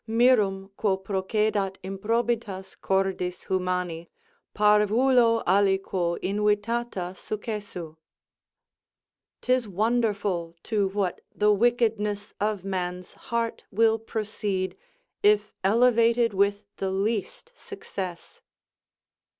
Mirum quo procédat improbitas cordis humani, parvulo aliquo intritata successu. "'Tis wonderful to what the wickedness of man's heart will proceed, if elevated with the least success."